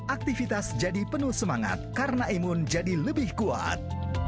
aktivitas jadi penuh semangat karena imun jadi lebih kuat